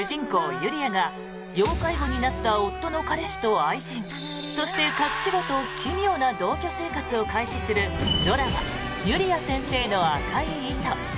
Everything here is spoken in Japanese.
ゆりあが要介護になった夫の彼氏と愛人そして隠し子と奇妙な同居生活を開始するドラマ「ゆりあ先生の赤い糸」。